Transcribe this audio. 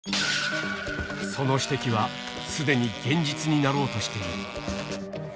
その指摘は、すでに現実になろうとしている。